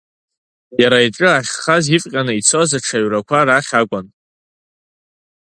Иара иҿы ахьхаз ивҟьаны ицоз аҽаҩрақәа рахь акәын.